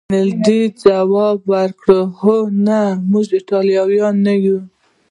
رینالډي ځواب ورکړ: اوه، نه، موږ ایټالویان نه یو.